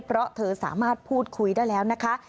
เพราะเธอสามารถพูดคุยได้แล้วนะคะ